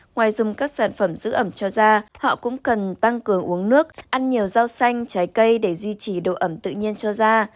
ngoài dùng các sản phẩm giữ ẩm cho da họ cũng cần tăng cường uống nước ăn nhiều rau xanh trái cây để duy trì độ ẩm tự nhiên cho da